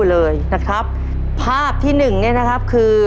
เลยนะครับภาพที่หนึ่งเนี่ยนะครับคือ